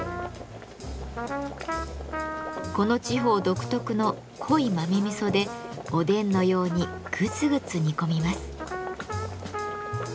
この地方独特の濃い豆味噌でおでんのようにぐつぐつ煮込みます。